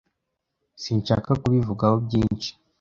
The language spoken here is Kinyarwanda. Sinshaka kubivugaho byinshi